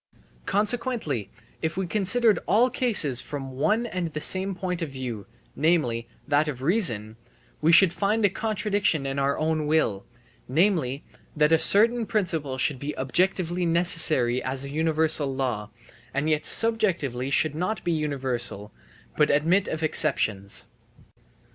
Consequently if we considered all cases from one and the same point of view, namely, that of reason, we should find a contradiction in our own will, namely, that a certain principle should be objectively necessary as a universal law, and yet subjectively should not be universal, but admit of exceptions.